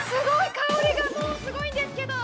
香りがもうすごいんですけど！